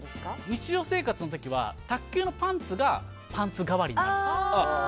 日常生活の時は卓球のパンツがパンツ代わりになるんですよ。